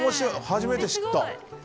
初めて知った。